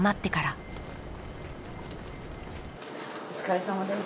お疲れさまです。